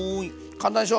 簡単でしょ？